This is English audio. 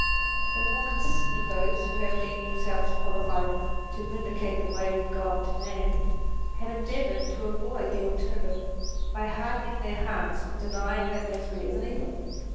The more consistent of those who have deemed themselves qualified to " vin dicate the ways of God to man " have endeavoured to avoid the alternative by hardening their hearts, and denying that misery is an evil.